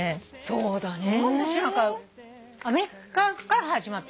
そうだね。